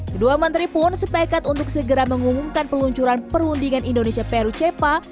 kedua menteri pun sepekat untuk segera mengumumkan peluncuran perundingan indonesia peru cepat